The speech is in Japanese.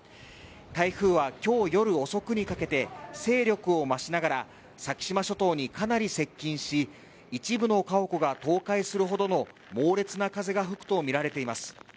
台風は今日夜遅くにかけて勢力を増しながら先島諸島にかなり接近し、一部の家屋が倒壊するほどの猛烈な風が吹くとみられています。